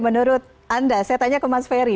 menurut anda saya tanya ke mas ferry